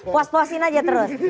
puas puasin aja terus